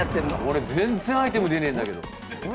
俺全然アイテム出ねえんだけど。